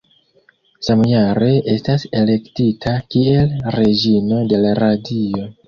Samjare estas elektita kiel Reĝino de la Radio.